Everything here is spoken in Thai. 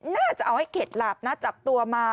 น่าจะเอาให้เข็ดหลาบนะจับตัวมา